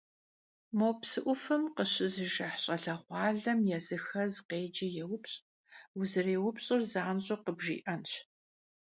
Mo psı 'ufem khışızıjjıh ş'aleğualem yazıxez khêci yêupş', vuzerışıuer zanş'eu khıbjji'enş.